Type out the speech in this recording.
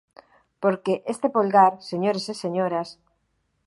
Porque este polgar, señores e señoras…».